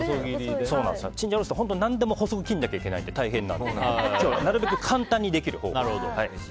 チンジャオロースーって何でも細く切らないといけないと大変なので、今日はなるべく簡単にできる方法で。